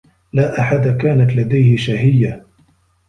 لا أحد كانت لديه شهيّة.